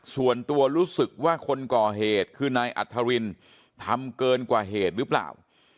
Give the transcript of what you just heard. ส่วนตัวรู้สึกว่าคนก่อเหตุคือนายอัธรินทำเกินกว่าเหตุหรือเปล่า